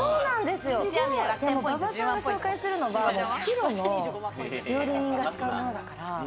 馬場さんが紹介するのはプロの料理人が使うものだから。